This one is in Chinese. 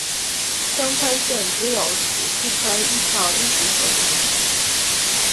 香川县只有土器川一条一级河川。